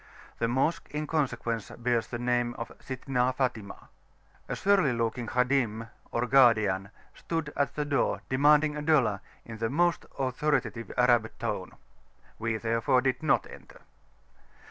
The Mosque in consequence bears the name of Sittna Fatimah. A surly looking Khadim, or guardian stood at the door demanding a dollar in the most authoritative Arab tone we therefore did not enter.